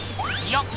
よっ！